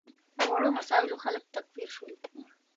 په وړو مسایلو خلک تکفیر شول.